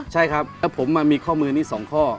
ใช่ครับแล้วผมมีข้อมือนี้๒ข้อ